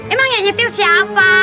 emang yang nyetir siapa